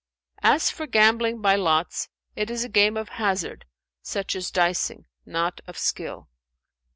As for gambling by lots, it is a game of hazard such as diceing, not of skill."